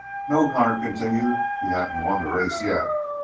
"No," Connor continues, "he hadn't won the race yet.